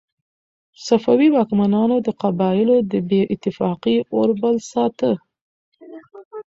صفوي واکمنانو د قبایلو د بې اتفاقۍ اور بل ساته.